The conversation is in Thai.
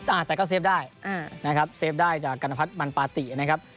อ่าแต่ก็เซฟได้อ่านะครับเซฟได้จากกรรณพัฒน์มันปาตินะครับ